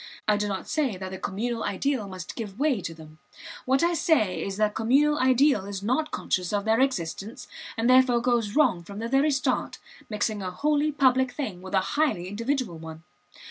I do not say that the communal ideal must give way to them. What I say is that the communal ideal is not conscious of their existence, and therefore goes wrong from the very start, mixing a wholly public thing with a highly individual one.